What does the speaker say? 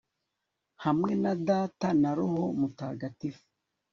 hamwe na data na roho mutagatifu